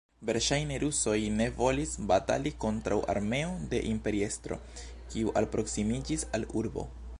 Verŝajne rusoj ne volis, batali kontraŭ armeo de imperiestro, kiu alproksimiĝis al urbo.